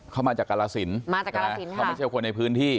เขามาจากกรสินมาจากกรสินเขาไม่ใช่คนในพื้นที่